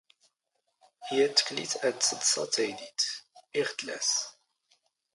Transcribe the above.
ⵢⴰⵜ ⵜⴽⵍⵉⵜ ⴰⴷ ⵜⵙⴹⵙⴰ ⵜⴰⵢⴷⵉⵜ: ⵉⵖ ⵜⵍⴰⵙ